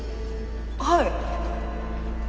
はい